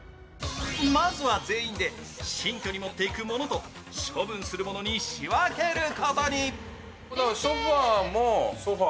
まずは全員で新居に持っていく物と処分する物に仕分けることに。